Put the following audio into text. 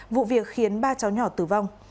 vụ việc khiến ba cháu nhỏ tử vong